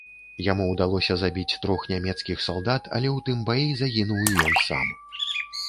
Яму ўдалося забіць трох нямецкіх салдат, але ў тым баі загінуў і ён сам.